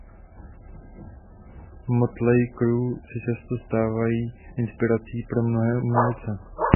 Mötley Crüe se často stávají inspirací pro mnohé umělce.